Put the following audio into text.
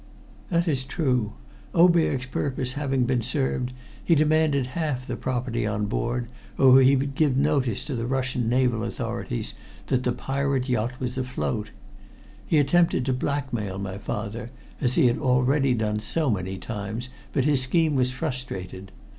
"That is true. Oberg's purpose having been served, he demanded half the property on board, or he would give notice to the Russian naval authorities that the pirate yacht was afloat. He attempted to blackmail my father, as he had already done so many times, but his scheme was frustrated.